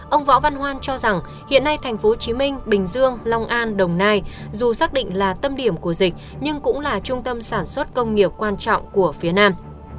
ông võ văn hoan cho rằng hiện nay tp hcm bình dương long an đồng nai dù xác định là tâm điểm của dịch nhưng cũng là trung tâm sản xuất công nghiệp quan trọng của phía nam